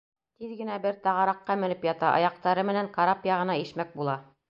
Тиҙ генә бер тағараҡҡа менеп ята, аяҡтары менән карап яғына ишмәк була.